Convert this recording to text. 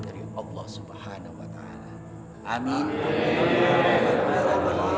aku akan mengambil doa